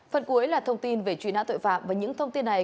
phần cuối là thông tin về truy nã tội phạm và những thông tin này